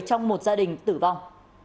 trong một gia đình tử vong